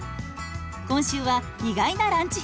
今週は意外なランチ編。